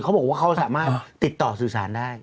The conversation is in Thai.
เขาบอกว่าเขาสามารถติดต่อสื่อสารได้